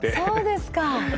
そうですか。